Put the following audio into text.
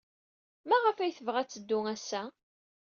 Maɣef ay tebɣa ad teddu ass-a?